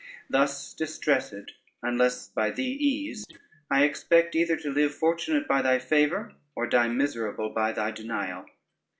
Thus distressed unless by thee eased, I expect either to live fortunate by thy favor, or die miserable by thy denial.